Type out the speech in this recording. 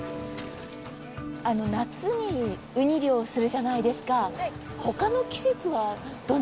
夏にウニ漁をするじゃないですか。